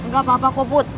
gak apa apa kok put